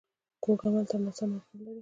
کوږ عمل تل ناسم عواقب لري